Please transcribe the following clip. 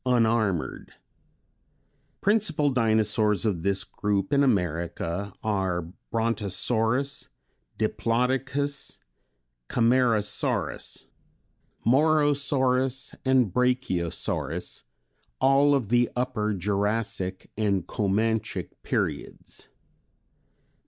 Unarmored. Principal dinosaurs of this group in America are Brontosaurus, Diplodocus, Camarasaurus (Morosaurus) and Brachiosaurus, all of the Upper Jurassic and Comanchic periods.